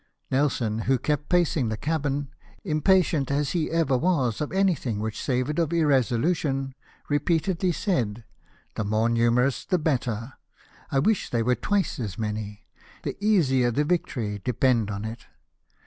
Nelson, who kept pacing the cabin, impatient as he ever was of anything which 224 LIFE OF NELSON. savoured of irresolution, repeatedly said, '' The more numerous the better ; I wish they were twice as many — the easier the victory, depend on it."